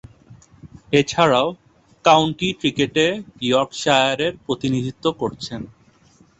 এছাড়াও, কাউন্টি ক্রিকেটে ইয়র্কশায়ারের প্রতিনিধিত্ব করছেন।